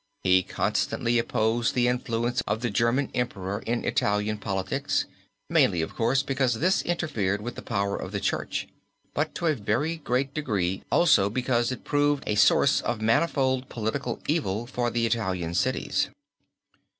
He constantly opposed the influence of the German Emperor in Italian politics, mainly, of course, because this interfered with the power of the Church, but to a very great degree also because it proved a source of manifold political evil for the Italian cities.